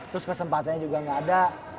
terus kesempatannya juga gak ada